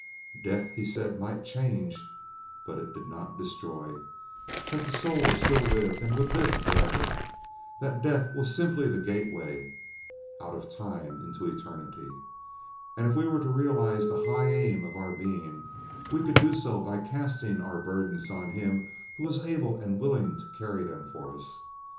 Death, he said, might change, but it did not destroy; that the soul still lived and would live forever; that death was simply the gateway out of time into eternity; and if we were to realize the high aim of our being, we could do so by casting our burdens on Him who was able and willing to carry them for us.